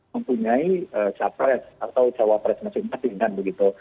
mempunyai capres atau cawapres masing masing kan begitu